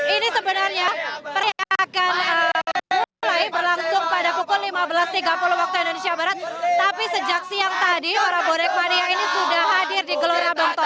ini sebenarnya periakan mulai berlangsung pada pukul lima belas tiga puluh waktu indonesia barat tapi sejak siang tadi para bonek mania ini sudah hadir di gelora bung tomo